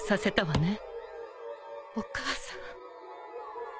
お母さん。